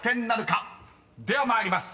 ［では参ります。